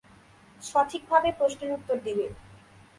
সঠিকভাবে প্রশ্নের উত্তর দিবে।